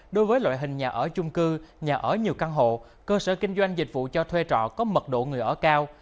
đối với loại hình nhà ở chung cư nhà ở nhiều căn hộ cơ sở kinh doanh dịch vụ cho thuê trọ có mật độ người ở cao